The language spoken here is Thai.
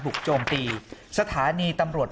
โจมตีสถานีตำรวจ